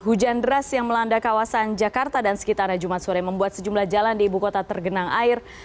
hujan deras yang melanda kawasan jakarta dan sekitarnya jumat sore membuat sejumlah jalan di ibu kota tergenang air